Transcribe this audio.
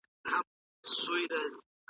دلته داسې څوک نسته چي تاریخ ولولي.